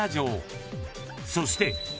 ［そして］